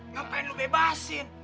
ngapain lu bebasin